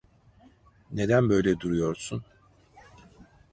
Neden böyle duruyorsun?